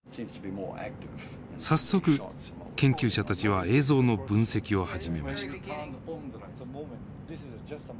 早速研究者たちは映像の分析を始めました。